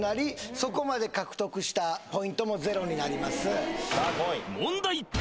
そこまで獲得したポイントもゼロになります問題